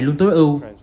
luôn tối ưu